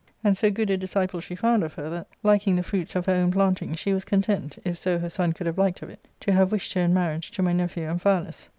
And so good a disciple she found of her, that, liking the fruits of her own planting, she was content, if so her son could have liked of it, to have wished her in marriage to my nephew Amphialus.